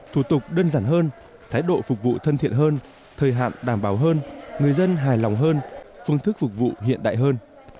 thủ tục đơn giản hơn thái độ phục vụ thân thiện hơn thời hạn đảm bảo hơn người dân hài lòng hơn phương thức phục vụ hiện đại hơn